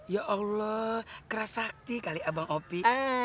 ya allah keras sakti kali ya bang opi